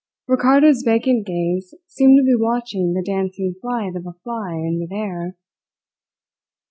Ricardo's vacant gaze seemed to be watching the dancing flight of a fly in mid air.